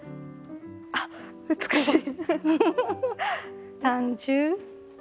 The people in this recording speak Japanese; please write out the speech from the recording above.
あっ美しい！